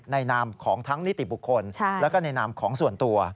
นามของทั้งนิติบุคคลแล้วก็ในนามของส่วนตัว